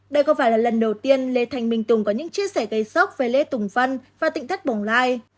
đây có phải là lần đầu tiên lê thanh minh tùng có những chia sẻ gây sốc về lê tùng vân và tịnh thất bổng lai